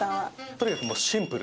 とにかくシンプル。